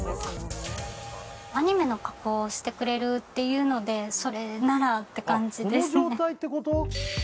アニメの加工をしてくれるっていうのでそれならって感じですね。